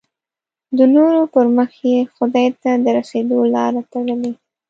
د نورو پر مخ یې خدای ته د رسېدو لاره تړلې.